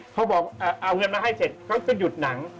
เขาบอกเอาเงินมาให้เสร็จเขาก็หยุดหนัง